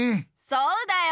そうだよ